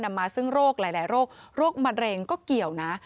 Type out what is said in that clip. นำมาซึ่งโรคหลายโรคโรคมะเร็งก็เกี่ยวนะ